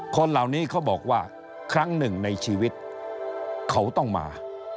คนเหล่านี้เขาบอกว่าครั้งหนึ่งในชีวิตเขาต้องมา